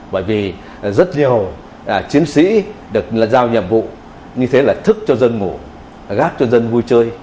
bởi vì rất nhiều chiến sĩ được giao nhiệm vụ như thế là thức cho dân ngủ gác cho dân vui chơi